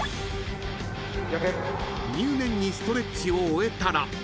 ［入念にストレッチを終えたら］